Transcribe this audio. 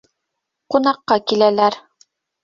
— Ҡунаҡҡа киләләр.